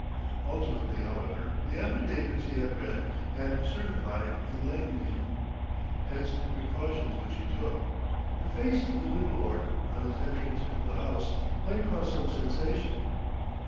Ultimately, however, the affidavits he had read and certified enlightened him. Hence the precautions which he took. The face of the new lord, on his entrance into the House, might cause some sensation.